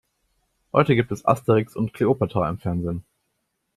Heute gibt es "Asterix und Kleopatra" im Fernsehen.